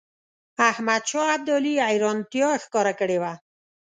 احمدشاه ابدالي حیرانیتا ښکاره کړې وه.